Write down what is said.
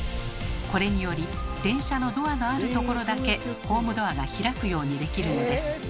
これにより電車のドアのあるところだけホームドアが開くようにできるのです。